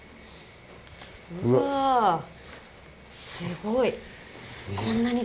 うわすごい。